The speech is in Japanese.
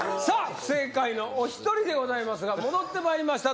不正解のお一人でございますが戻ってまいりました